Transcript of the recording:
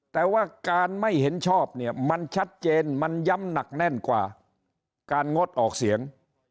แต่ว่าการไม่เห็นชอบเนี่ยมันชัดเจนมันย้ำหนักแน่นกว่าการงดออกเสียง